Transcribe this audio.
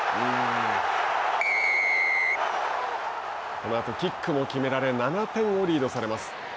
このあとキックも決められ７点をリードされます。